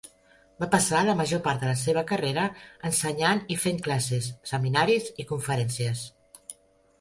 Va passar la major part de la seva carrera ensenyant i fent classes, seminaris i conferències.